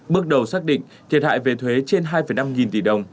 bước đầu xác định thiệt hại về thuế trên hai năm nghìn tỷ đồng